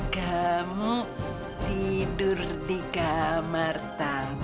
kamu tidur di kamar